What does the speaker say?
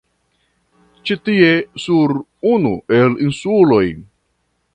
Ĉi tie sur unu el insuloj